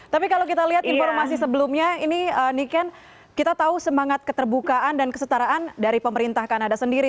tapi kalau kita lihat informasi sebelumnya ini niken kita tahu semangat keterbukaan dan kesetaraan dari pemerintah kanada sendiri